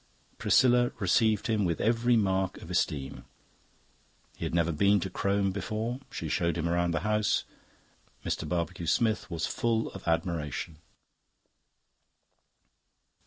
Priscilla received him with every mark of esteem. He had never been to Crome before; she showed him round the house. Mr. Barbecue Smith was full of admiration.